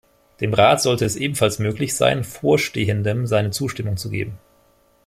Dem Rat sollte es ebenfalls möglich sein, Vorstehendem seine Zustimmung zu geben.